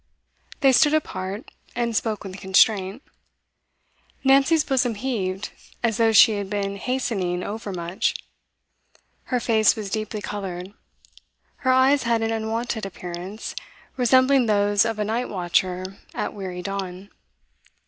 They stood apart, and spoke with constraint. Nancy's bosom heaved, as though she had been hastening overmuch; her face was deeply coloured; her eyes had an unwonted appearance, resembling those of a night watcher at weary dawn.